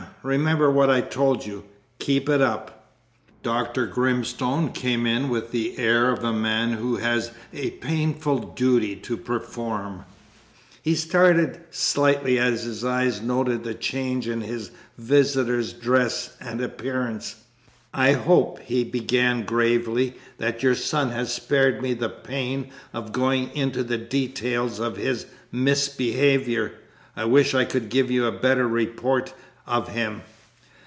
Remember what I told you; keep it up." Dr. Grimstone came in with the air of a man who has a painful duty to perform; he started slightly as his eye noted the change in his visitor's dress and appearance. "I hope," he began gravely, "that your son has spared me the pain of going into the details of his misbehaviour; I wish I could give you a better report of him."